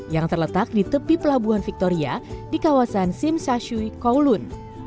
yang terletak di tepi pelabuhan victoria di kawasan simsasyui kolun